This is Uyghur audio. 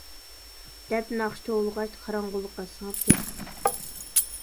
دەپ ناخشا توۋلىغاچ، قاراڭغۇلۇققا سىڭىپ كەتتى.